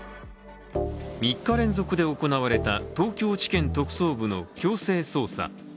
３日連続で行われた東京地検特捜部の強制捜査。